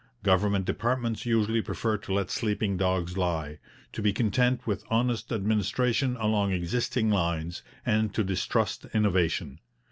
Government departments usually prefer to let sleeping dogs lie, to be content with honest administration along existing lines, and to distrust innovation.